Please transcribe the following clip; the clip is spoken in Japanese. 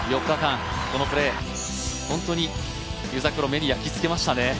４日間このプレー、本当に目に焼き付けましたね。